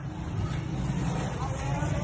ป๊า